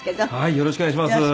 よろしくお願いします。